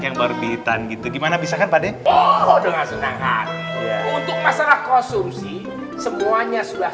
yang berbitan gitu gimana bisa kan pada oh dengan senang hati untuk masalah konsumsi semuanya sudah